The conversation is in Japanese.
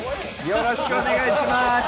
よろしくお願いします。